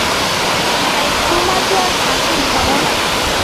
তোমার যে আর হাসি ধরে না।